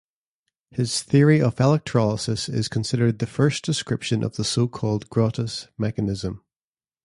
His theory of electrolysis is considered the first description of the so-called Grotthuss mechanism.